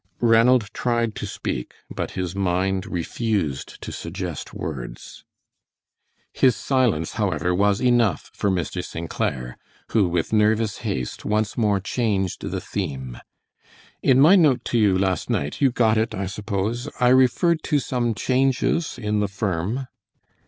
Ranald tried to speak, but his mind refused to suggest words. His silence, however, was enough for Mr. St. Clair, who, with nervous haste once more changed the theme. "In my note to you last night you got it, I suppose I referred to some changes in the firm."